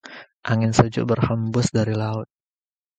Angin sejuk berhembus dari laut.